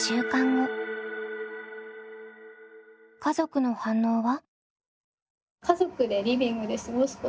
家族の反応は？